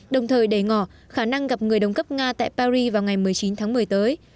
đồng thời để ngỏ khả năng gặp người đồng cấp nga tại paris vào ngày một mươi chín tháng một mươi tới